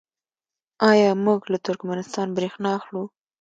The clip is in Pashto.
آیا موږ له ترکمنستان بریښنا اخلو؟